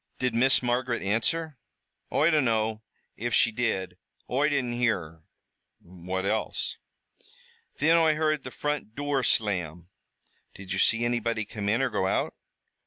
"Did Miss Margaret answer?" "Oi dunno if she did, Oi didn't hear her." "What else?" "Thin Oi heard the front dure slam." "Did you see anybody come in or go out?"